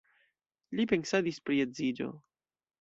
Li pensadis pri edziĝo.